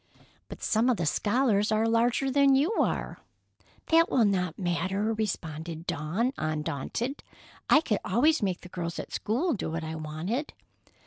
"But some of the scholars are larger than you are." "That will not matter," responded Dawn, undaunted. "I could always make the girls at school do what I wanted."